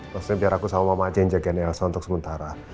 maksudnya biar aku sama mama aja yang jaga nerasa untuk sementara